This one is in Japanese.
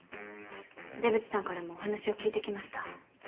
出渕さんからもお話を聞いてきました。